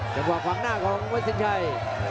จังหวังฝั่งหน้าของเวสินไทย